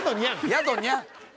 「やどにゃん」。